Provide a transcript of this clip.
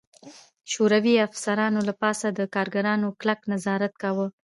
شوروي افسرانو له پاسه د کارګرانو کلک نظارت کاوه